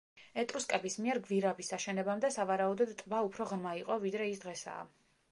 ეტრუსკების მიერ გვირაბის აშენებამდე, სავარაუდოდ ტბა უფრო ღრმა იყო ვიდრე ის დღესაა.